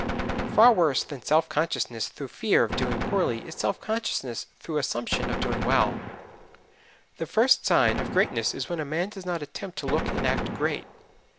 Far worse than self consciousness through fear of doing poorly is self consciousness through assumption of doing well. The first sign of greatness is when a man does not attempt to look and act great.